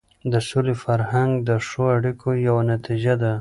د سولې فرهنګ د ښو اړیکو یوه نتیجه ده.